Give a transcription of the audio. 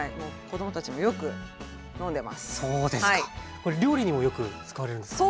これ料理にもよく使われるんですよね。